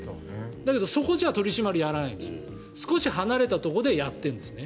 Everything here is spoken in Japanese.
だけどそこでは取り締まりをやらないんですよ少し離れたところでやってるんです。